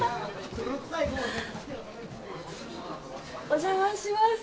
お邪魔します。